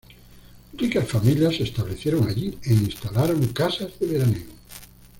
Ricas familias se establecieron allí, e instalaron casas de veraneo.